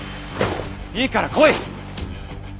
いいから来い！